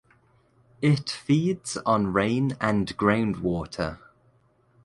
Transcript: It feeds on rain and groundwater.